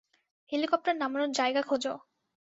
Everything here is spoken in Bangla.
হেলিকপ্টার নামানোর জায়গা খোঁজো।